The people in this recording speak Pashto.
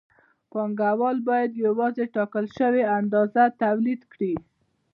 پانګوال باید یوازې ټاکل شوې اندازه تولید کړي